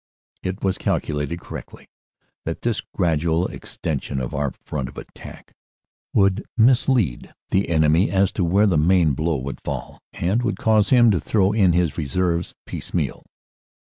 It was calculated correctly that this gradual extension of our front of attack would mislead the enemy as to where the main blow would fall, and would cause him to throw in his reserves piecemeal."